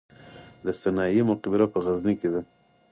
د سنايي مقبره په غزني کې ده